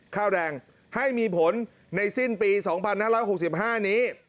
ค่าแรงให้มีผลในสิ้นปี๒๕๖๕นี้